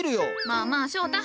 まあまあ翔太